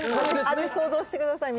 味想像してください